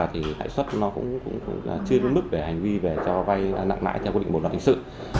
thì lãi suất cũng chưa đúng mức để hành vi cho vay lãng lãi theo quy định bộ đoàn hình sự